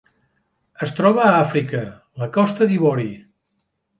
Es troba a Àfrica: la Costa d'Ivori.